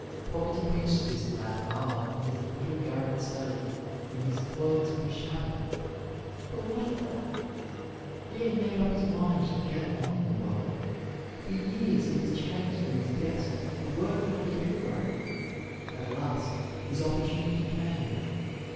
Poverty pinched this lad hard in his little garret study and his clothes were shabby, but what of that? He had made up his mind to get on in the world. For years he was chained to his desk and worked like a hero. At last his opportunity came.